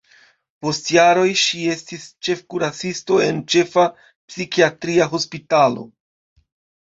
Post jaroj ŝi estis ĉefkuracisto en ĉefa psikiatria hospitalo.